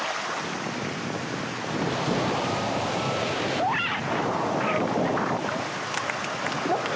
うわっ！